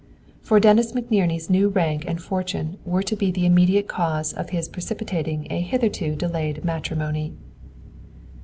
For Dennis McNerney's new rank and fortune were to be the immediate cause of his precipitating a hitherto delayed matrimony.